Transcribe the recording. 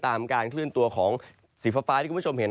การเคลื่อนตัวของสีฟ้าที่คุณผู้ชมเห็น